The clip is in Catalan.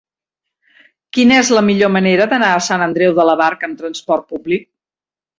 Quina és la millor manera d'anar a Sant Andreu de la Barca amb trasport públic?